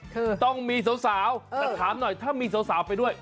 ต้องมีสาวแต่ถามหน่อยถ้ามีสาวไปด้วย